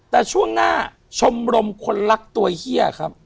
แต่ช่วงหน้าชมรมคนรักตัวเฮียครับ